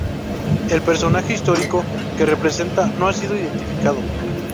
El personaje histórico que representa no ha sido identificado.